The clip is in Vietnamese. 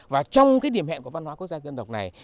và trong cái điểm hẹn của văn hóa quốc gia dân tộc này